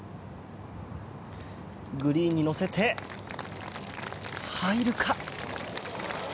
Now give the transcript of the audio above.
グリーンに乗せて、入るか？